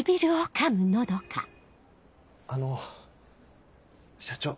あの社長